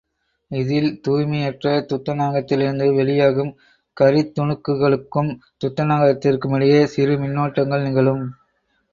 இதில் தூய்மையற்ற துத்தநாகத்திலிருந்து வெளியாகும் கரித்துணுக்களுக்கும் துத்தநாகத்திற்குமிடையே சிறு மின்னோட்டங்கள் நிகழும்.